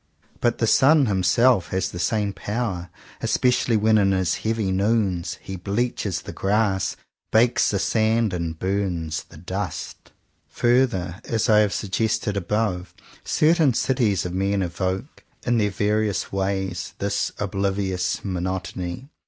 But the sun himself has the same power; especially when in his heavy noons he bleaches the grass, bakes the sand, and burns the dust. Further, as I have suggested above, certain cities of men evoke, in their various 157 CONFESSIONS OF TWO BROTHERS ways, this oblivious monotony.